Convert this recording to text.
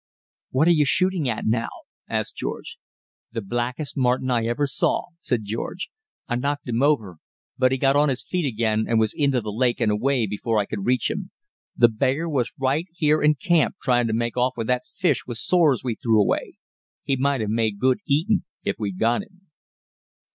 "What are you shooting at now?" asked Hubbard. "The blackest marten I ever saw," said George. "I knocked him over, but he got on his feet again and was into the lake and away before I could reach him. The beggar was right here in camp tryin' to make off with that fish with sores we threw away. He might have made good eatin' if we'd got him."